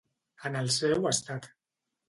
En el seu estat.